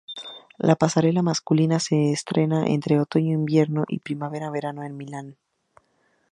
La pasarela masculina se estrena entre otoño-invierno y primavera-verano en Milán.